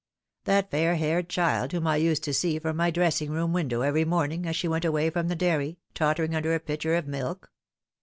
" That fair haired child whom I used to see from my dress ing room window every morning as she went away from the dairy, tottering under a pitcher of milk